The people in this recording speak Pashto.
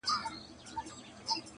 کښته پورته یې ځغستله لاندي باندي٫